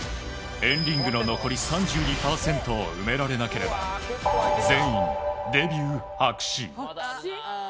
＆ＲＩＮＧの残り３２％を埋められなければ、全員、デビュー白紙。